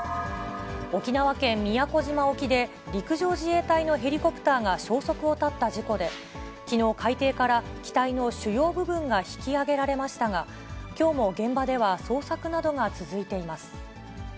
沖縄県宮古島沖で、陸上自衛隊のヘリコプターが消息を絶った事故で、きのう海底から機体の主要部分が引き揚げられましたが、きょうも現場では捜索などが続いています。